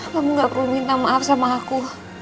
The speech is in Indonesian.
kamu gak perlu minta maaf sama aku